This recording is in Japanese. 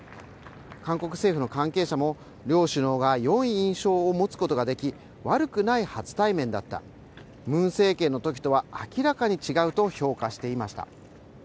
韓国政府の関係者も両首脳がよい印象を持つことができ悪くない初対面だった、ムン政権のときとは明らかに違うと評価していました。